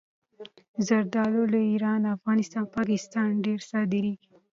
زردالو له ایران، افغانستان او پاکستانه ډېره صادرېږي.